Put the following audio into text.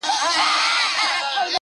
دا برخه د کيسې تر ټولو توره مرحله ده,